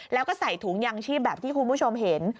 แล้วก็ใส่ถุงยางชีพแบบที่คุณผู้ชมเห็น